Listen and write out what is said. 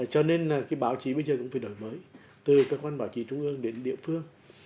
cho nên là cái báo chí bây giờ cũng phải đổi mới từ cơ quan báo chí trung ương đến địa phương